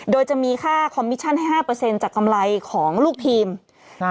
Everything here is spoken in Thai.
โดยจะมีค่าคอมมิชชั่นให้ห้าเปอร์เซ็นต์จากกำไรของลูกทีมอ่า